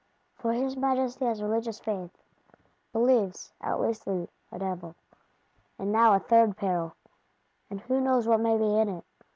For his Majesty has religious faith; believes, at least in a Devil. And now a third peril; and who knows what may be in it!